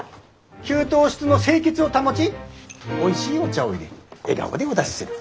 給湯室の清潔を保ちおいしいお茶をいれ笑顔でお出しする。